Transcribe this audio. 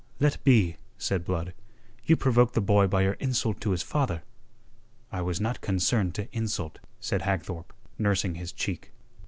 "Let be," said Blood. "You provoked the boy by your insult to his father." "I was not concerned to insult," said Hagthorpe, nursing his cheek.